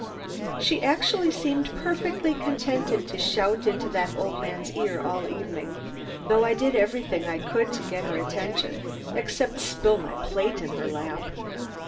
She actually seemed perfectly contented to shout into that old man's ear all evening, though I did everything to get her attention except spill my plate in her lap.